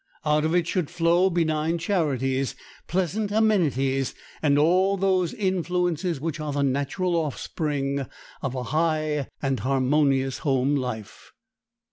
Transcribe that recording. Out of it should flow benign charities, pleasant amenities, and all those influences which are the natural offspring of a high and harmonious home life.